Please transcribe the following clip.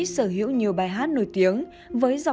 sở hữu nhiều bài hát nổi tiếng